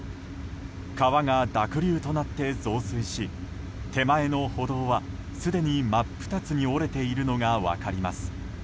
川が濁流となって増水し手前の歩道はすでに真っ二つに折れているのが分かります。